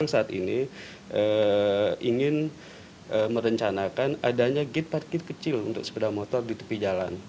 saat ini ingin merencanakan adanya gate parkir kecil untuk sepeda motor di tepi jalan